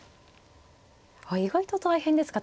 意外と大変ですか。